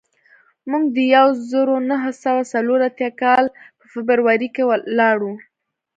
موږ د یو زرو نهه سوه څلور اتیا کال په فبروري کې لاړو